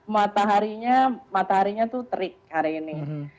mataharinya mataharinya tuh terik hari ini